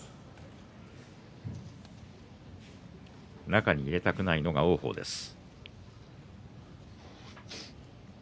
中に入れたくないのが王鵬です。